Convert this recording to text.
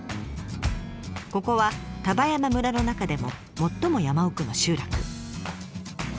ここは丹波山村の中でも最も山奥の集落。